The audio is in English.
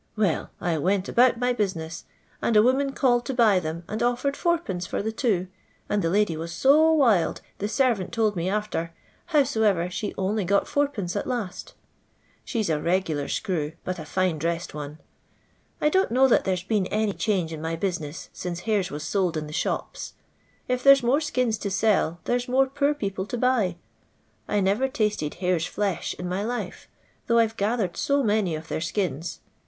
Well, I went about my business ; and a woman called to buy them, and oflercd id. for the two, and the lady was so wild, the servant told mc arter; howsomever she only got id. at last •She 's a n^gular screw, but a fine dresaed oneu I don't know that there 'a been any change in my business aince hares nvas sold in the akapa. If there *i more skins to sell, there's more poor people to buy. I never tasted hares' flesh in my life, though I 've gathered so many of their akina.